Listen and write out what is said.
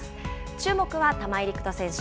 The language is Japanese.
注目は玉井陸斗選手。